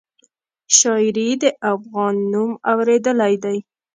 شاعري د افغان نوم اورېدلی دی.